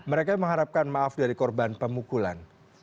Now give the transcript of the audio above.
mereka mengharapkan maaf dari korban pemukulan